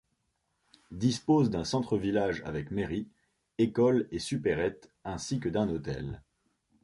Dispose d'un centre village avec mairie, école et supérette ainsi que d'un hôtel.